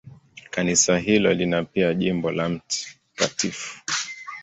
Kanisa hilo lina pia jimbo la Mt.